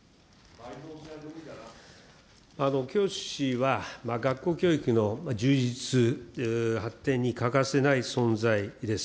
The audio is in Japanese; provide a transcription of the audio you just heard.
教師は、学校教育の充実、発展に欠かせない存在です。